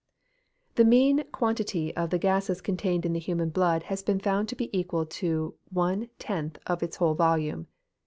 _ The mean quantity of the gases contained in the human blood has been found to be equal to 1 10th of its whole volume.